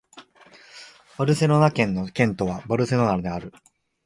バルセロナ県の県都はバルセロナである